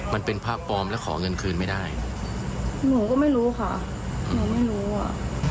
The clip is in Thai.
มันเป็นพระปลอมแล้วขอเงินคืนไม่ได้หนูก็ไม่รู้ค่ะหนูไม่รู้อ่ะ